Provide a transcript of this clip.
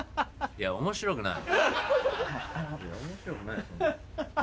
いや面白くない。